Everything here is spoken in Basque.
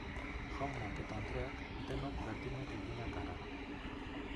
Jaunak eta andreak denok berdinak eginak gara.